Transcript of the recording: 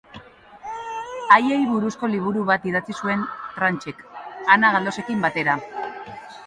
Haiei buruzko liburu bat idatzi zuen Tranchek, Ana Galdosekin batera.